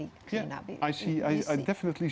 di dalam pemerintah kita